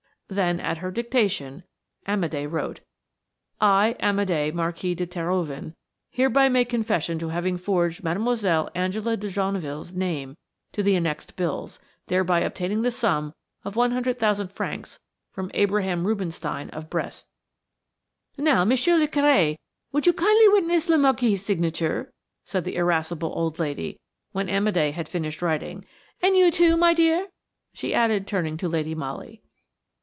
Then, at her dictation, Amédé wrote: "I, Amédé, Marquis de Terhoven, hereby make confession to having forged Mademoiselle Angela de Genneville's name to the annexed bills, thereby obtaining the sum of one hundred thousand francs from Abraham Rubinstein, of Brest." "Now, Monsieur le Curé, will you kindly witness le Marquis' signature?" said the irascible old lady when Amédé had finished writing; "and you, too, my dear?" she added, turning to Lady Molly.